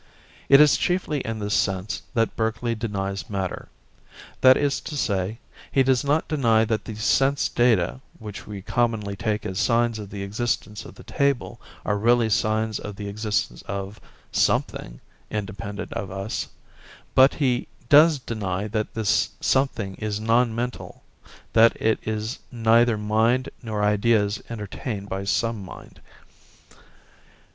It is chiefly in this sense that Berkeley denies matter; that is to say, he does not deny that the sense data which we commonly take as signs of the existence of the table are really signs of the existence of something independent of us, but he does deny that this something is non mental, that it is neither mind nor ideas entertained by some mind.